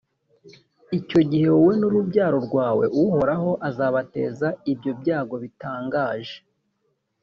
icyo gihe, wowe n’urubyaro rwawe, uhoraho azabateza ibyo byago bitangaje,